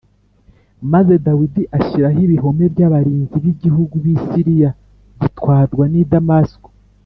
Maze Dawidi ashyiraho ibihome by’abarinzi b’igihugu cy’i Siriya gitwarwa n’i Damasiko,